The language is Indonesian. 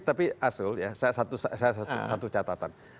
tapi asrul ya satu catatan